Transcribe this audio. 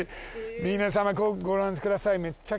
皆様ご覧ください。